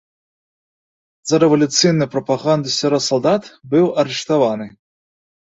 За рэвалюцыйную прапаганду сярод салдат быў арыштаваны.